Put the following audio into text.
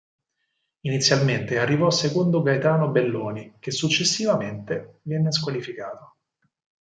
Inizialmente arrivò secondo Gaetano Belloni, che successivamente venne squalificato.